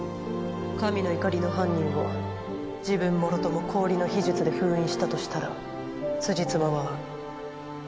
神の怒りの犯人を自分もろとも氷の秘術で封印したとしたら辻褄は合う。